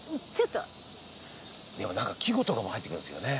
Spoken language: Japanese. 季語とかも入ってくるんですよね？